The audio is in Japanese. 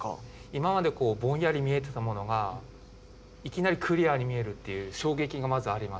今までこうぼんやり見えてたものがいきなりクリアに見えるっていう衝撃がまずありました。